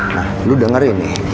nah lu dengerin nih